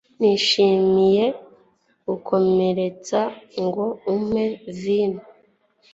nishimiye gukomeretsa ngo umpe vino